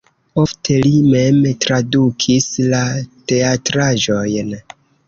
Ofte li mem tradukis la teatraĵojn.